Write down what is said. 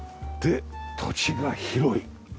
で土地が広い。